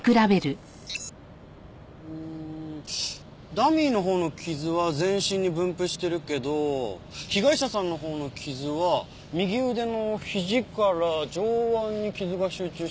ダミーのほうの傷は全身に分布してるけど被害者さんのほうの傷は右腕の肘から上腕に傷が集中してるね。